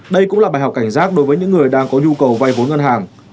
đây cũng là bài học cảnh giác đối với những người đang có nhu cầu vay vốn ngân hàng